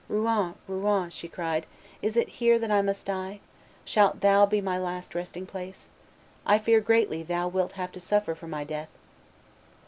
"Rouen, Rouen," she cried, "is it here that I must die? Shalt thou be my last resting place? I fear greatly thou wilt have to suffer for my death."